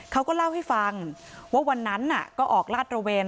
เขาก็เล่าให้ฟังว่าวันนั้นก็ออกลาดระเวน